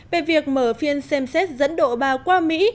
về việc mở phiên xem xét dẫn độ bà qua mỹ